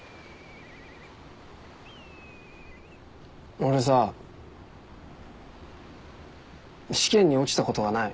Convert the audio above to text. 俺さ試験に落ちたことはない。